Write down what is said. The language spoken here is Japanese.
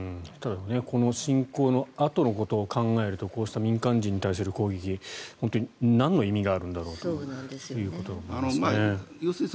この侵攻のあとのことを考えると民間人に対する攻撃なんの意味があるんだろうということですね。